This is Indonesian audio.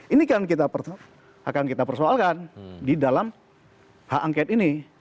ini kan akan kita persoalkan di dalam hak angket ini